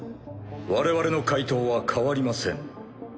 我々の回答は変わりません。